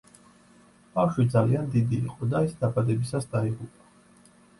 ბავშვი ძალიან დიდი იყო და ის დაბადებისას დაიღუპა.